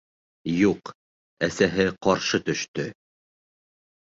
Юҡ, әсәһе ҡаршы төштө.